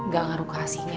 gak ngaruh kasihnya